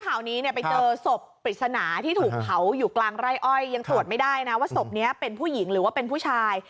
ข่าวนี้เนี่ยไปเจอศพปริศนาที่ถูกเผาอยู่กลางไร่อ้อยยังตรวจไม่ได้นะว่าศพนี้เป็นผู้หญิงหรือว่าเป็นผู้ชาย